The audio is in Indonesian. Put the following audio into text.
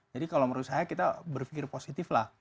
jadi kalau menurut saya kita berpikir positiflah